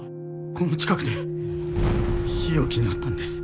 この近くで日置に会ったんです。